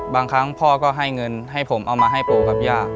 บางครั้งพ่อก็ให้เงินให้ผมเอามาให้ปู่กับย่า